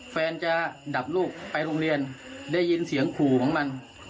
แฟนจะดับลูกไปโรงเรียนได้ยินเสียงขู่ของมัน